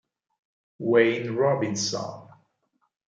Wayne Robinson